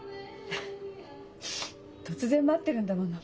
突然待ってるんだもの。